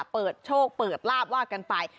เปิดโชคเปิดลาบว่ากันไป